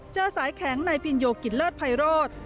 เจอสายแข็งนายพินโยกิจเลิศภัยโรธ